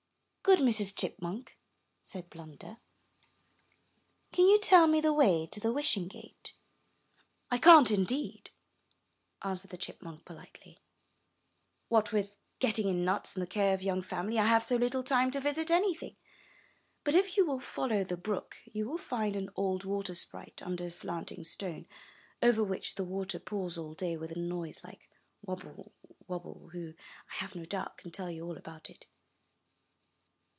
"Good Mrs. Chipmunk," said Blunder, "can you 315 MY BOOK HOUSE tell me the way to the Wishing Gate?" '1 can't, indeed/' answered the chipmunk, poHtely. ''What with getting in nuts, and the care of a young family, I have so httle time to visit anything! But if you will follow the brook, you will find an old water sprite under a slanting stone, over which the water pours all day with a noise like wabble! wabble! who, I have no doubt, can tell you all about it."